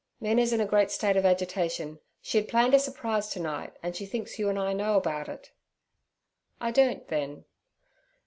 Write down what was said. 'Mina's in a great state of agitation; she had planned a surprise to night, and she thinks you and I know about it.' 'I don't, then.'